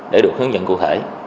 để được hướng dẫn cụ thể